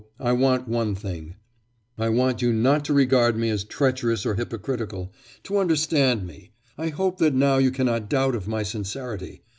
I want one thing; I want you not to regard me as treacherous or hypocritical, to understand me... I hope that now you cannot doubt of my sincerity...